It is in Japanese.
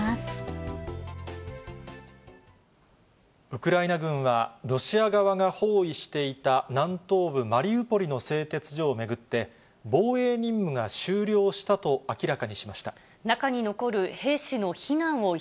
ウクライナ軍は、ロシア側が包囲していた南東部マリウポリの製鉄所を巡って、防衛任務が終了したと明らかにしました。